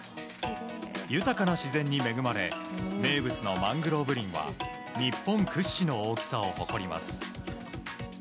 豊かな自然に恵まれ名物のマングローブ林は日本屈指の大きさを誇ります。